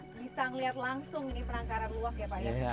iya akhirnya saya bisa melihat langsung ini penangkaran luwak ya pak